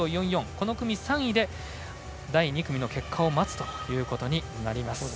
この組３位で第２組の結果を待つということになります。